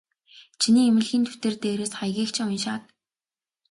Чиний эмнэлгийн дэвтэр дээрээс хаягийг чинь уншаад.